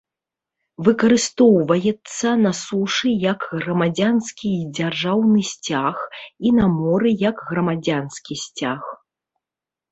Выкарыстоўваецца на сушы як грамадзянскі і дзяржаўны сцяг і на моры як грамадзянскі сцяг.